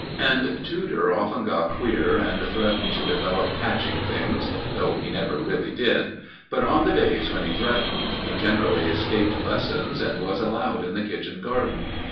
And Tudor often got queer and threatened to develop catching things, though he never really did; but on the days when he threatened, he generally escaped lessons and was allowed in the kitchen garden.